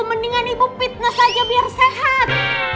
mendingan ibu fitnah saja biar sehat